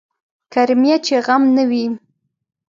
کرميه چې غم نه وي.